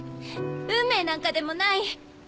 運命なんかでもない。